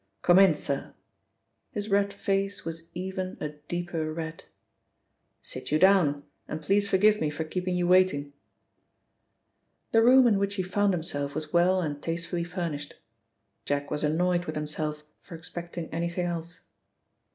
"Come in, sir." His red face was even a deeper red. "Sit you down, and please forgive me for keeping you waiting." The room in which he found himself was well and tastefully furnished. Jack was annoyed with himself for expecting anything else.